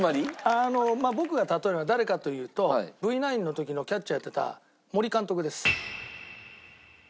あのまあ僕が例えるのは誰かというとＶ９の時のキャッチャーやってた森監督です。